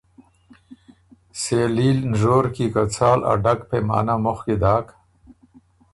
سېلي ل نژور کی که څال ا ډک پېمانۀ مُخکی داک،